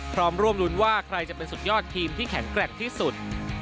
พร้อมร่วมรุ้นว่าใครจะเป็นสุดยอดทีมที่แข็งแกร่งที่สุด